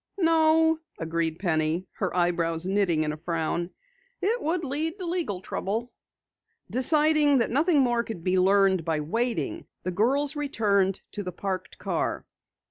"No," agreed Penny, her eyebrows knitting in a frown, "it would lead to legal trouble." Deciding that nothing more could be learned by waiting, the girls returned to the parked car.